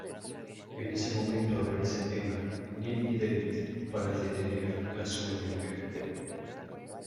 En ese momento aparecen Emma, Neal y David para detener a su enemiga.